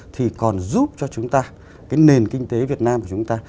thì còn giúp cho chúng ta cái nền kinh tế việt nam của chúng ta